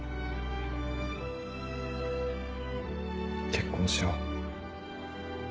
結婚しよう。